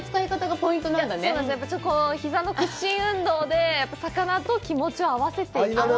やっぱり、ひざの屈伸運動で魚と気持ちを合わせていって。